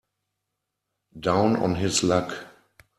Down on his luck.